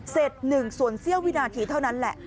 เสร็จหนึ่งส่วนเสี้ยววินาทีเท่านั้นแหละ